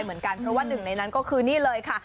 เมื่อมีอย่างว่าหนึ่งในนั้นก็คือนี้เลยค่ะ